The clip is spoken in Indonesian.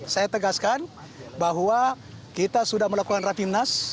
saya tegaskan bahwa kita sudah melakukan rapimnas